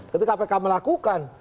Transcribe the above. ketika kpk melakukan